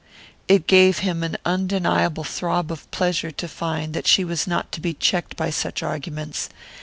It gave him an undeniable throb of pleasure to find that she was not to be checked by such arguments.